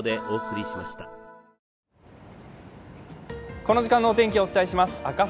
この時間のお天気をお伝えします、赤坂